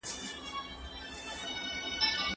کله ناروغ د درملني څخه انکار کولای سي؟